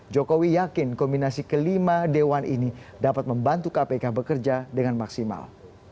jokowi yakin kombinasi kelima dewan ini dapat membantu kpk bekerja dengan maksimal